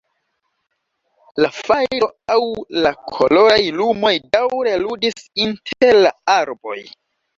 La fajro aŭ la koloraj lumoj daŭre ludis inter la arboj.